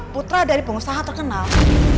putra dari pengusaha terkenal